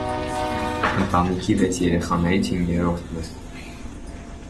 Ընտանիքի վեց երեխաներից հինգերորդն է։